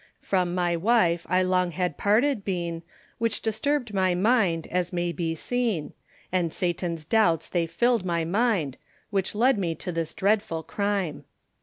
From my wife I long had parted been, Which disturbed my mind, as may be seen; And Satan's doubts they filled my mind, Which led me to this dreadful crime.